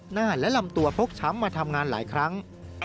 หน้าและลำตัวพกช้ำมาทำงานหลายครั้ง